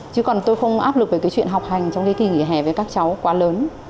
chứ còn tôi không áp lực về cái chuyện học hành trong cái kỳ nghỉ hè với các cháu quá lớn